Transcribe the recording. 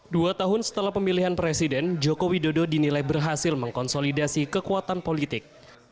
dua tahun setelah pemilihan presiden joko widodo dinilai berhasil mengkonsolidasi kekuatan politik